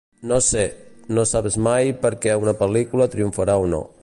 No sé, no saps mai per què una pel·lícula triomfarà o no.